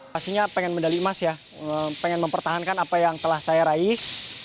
pastinya pengen medali emas ya pengen mempertahankan apa yang telah saya raih